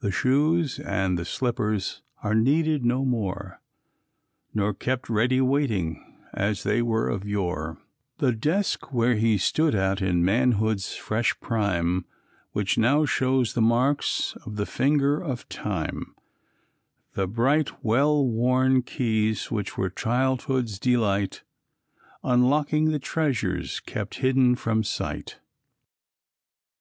The shoes and the slippers are needed no more, Nor kept ready waiting, as they were of yore, The desk which he stood at in manhood's fresh prime, Which now shows the marks of the finger of time, The bright well worn keys, which were childhood's delight Unlocking the treasures kept hidden from sight.